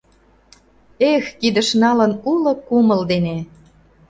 Эх, кидыш налын, уло кумыл дене